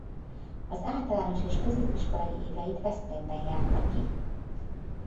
Az általános és középiskolai éveit Veszprémben járta ki.